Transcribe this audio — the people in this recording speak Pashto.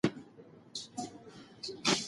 شینغرۍ